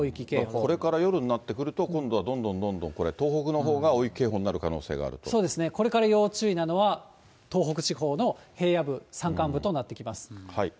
これから夜になってくると、今度はどんどんどんどんこれ東北のほうが大雪警報になる可能性がそうですね、これから要注意なのは、東北地方の平野部、山間部となってきます。